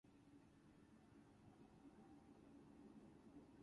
Most of them drink milk.